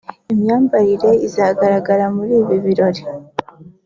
Imyambarire izagaragara muri ibi birori